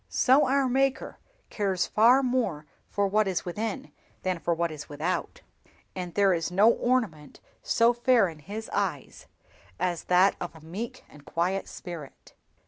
So our Maker cares far more for what is within than for what is without, and there is no ornament so fair in His eyes as that of a meek and quiet spirit."